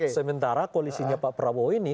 sementara koalisinya pak prabowo ini